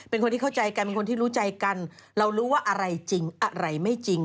เป็นคนที่เข้าใจกันเป็นคนที่รู้ใจกันเรารู้ว่าอะไรจริงอะไรไม่จริง